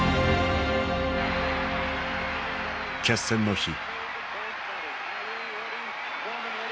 決戦の日。